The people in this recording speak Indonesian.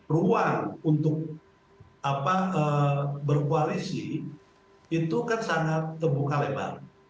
ruang untuk berkoalisi itu kan sangat tebuk kalepan